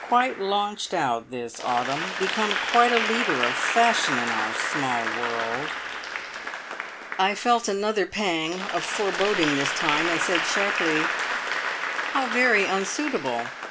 Quite launched out this autumn. Become quite a leader of fashion in our small world." I felt another pang of foreboding this time, and said sharply: "How very unsuitable!